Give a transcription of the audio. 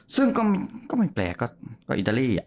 ซึ่งก็ไม่แปลกก็อิตาลี